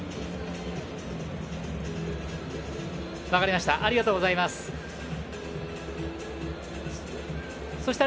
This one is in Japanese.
分かりました。